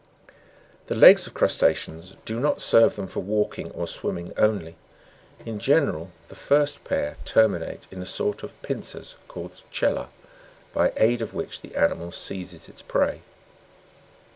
6. The legs of crusta'ceans do not serve them for walking or swimming only; in general, the first pair terminate in a sort of pincers (called chela], by aid of which the animal seizes its prey (fig.